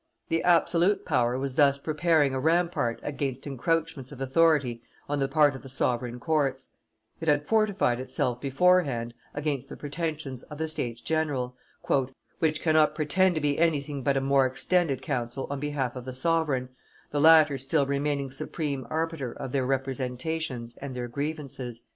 The absolute power was thus preparing a rampart against encroachments of authority on the part of the sovereign courts; it had fortified itself beforehand against the pretensions of the States general, "which cannot pretend to be anything but a more extended council on behalf of the sovereign, the latter still remaining supreme arbiter of their representations and their grievances."